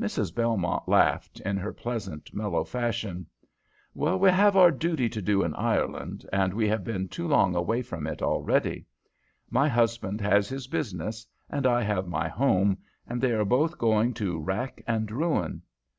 Mrs. Belmont laughed, in her pleasant, mellow fashion. "We have our duty to do in Ireland, and we have been too long away from it already. My husband has his business, and I have my home, and they are both going to rack and ruin.